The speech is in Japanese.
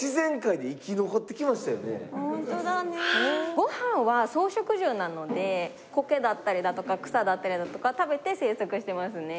ご飯は草食獣なのでコケだったりだとか草だったりだとかを食べて生息していますね。